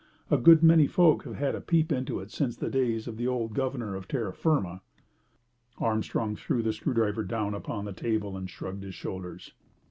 A good many folk have had a peep into it since the days of the old Governor of Terra Firma." Armstrong threw the screwdriver down upon the table and shrugged his shoulders.